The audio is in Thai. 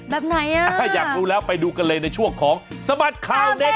แบบไหนอ่ะอยากรู้แล้วไปดูกันเลยในช่วงของสบัดข่าวเด็ด